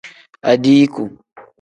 Adiiku.